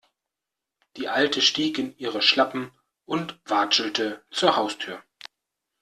Die Alte stieg in ihre Schlappen und watschelte zur Haustür.